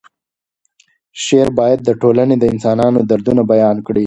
شعر باید د ټولنې د انسانانو دردونه بیان کړي.